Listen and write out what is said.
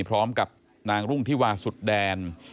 พร้อมกับนางรุ่งธิวาสุดแดน